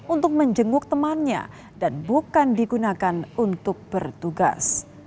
untuk menjenguk temannya dan bukan digunakan untuk bertugas